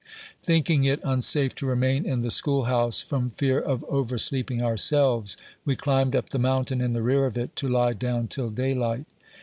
Thinking it unsafe to remain in the school house, from fear of oversleeping ourselves, we climbed up the mountain in the rear of it, to lie down till daylight.